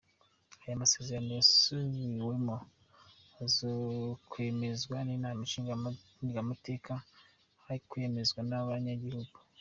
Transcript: Ayo masezerano yasubiwemwo azokwemezwa n’inama nshingamateka hakwemezwa n’abanyagihugu.